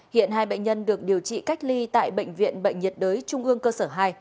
hiện hai bệnh nhân được điều trị cách ly tại bệnh viện bệnh nhiệt đới trung ương cơ sở hai